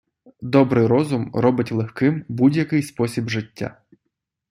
Добрий розум, робить легким будь-який спосіб життя.